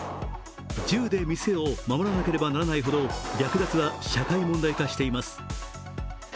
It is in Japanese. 銃で店を守らなければならないほど略奪は社会問題化しています。